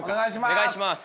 お願いします。